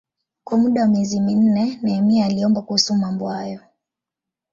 Kwa muda wa miezi minne Nehemia aliomba kuhusu mambo hayo.